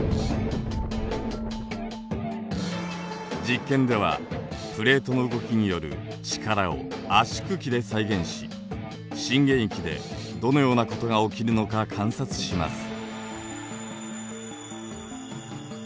実験ではプレートの動きによる力を圧縮機で再現し震源域でどのようなことが起きるのか観察します。